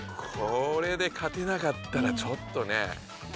これで勝てなかったらちょっとね。